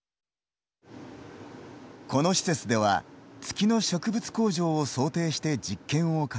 この施設では月の植物工場を想定して実験を重ねています。